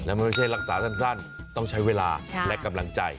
มันไม่ใช่รักษาสั้นต้องใช้เวลาและกำลังใจ